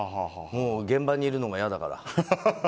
現場にいるのが嫌だから。